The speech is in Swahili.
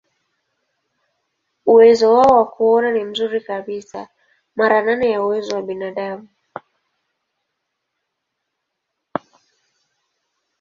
Uwezo wao wa kuona ni mzuri kabisa, mara nane ya uwezo wa binadamu.